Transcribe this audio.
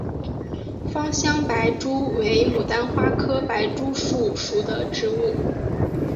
芳香白珠为杜鹃花科白珠树属的植物。